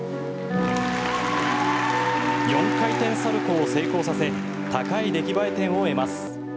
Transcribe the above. ４回転サルコウを成功させ高い出来栄え点を得ます。